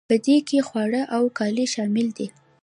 په دې کې خواړه او کالي شامل دي.